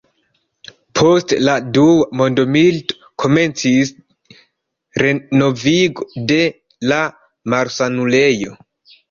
Post la dua mondmilito komencis renovigo de la malsanulejo.